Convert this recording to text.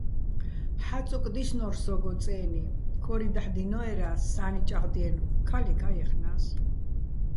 ჰ̦ა́წუკ დისნო́რ სო́გო წე́ნი, ქო́რი დაჰ̦ დინოერა́ს, სა́ნი ჭაღდიენო̆, ქა́ლიქა́ ჲეხნა́ს.